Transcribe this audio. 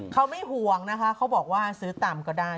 เขาไม่ห่วงนะคะเขาบอกว่าซื้อต่ำก็ได้